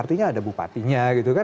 artinya ada bupatinya gitu kan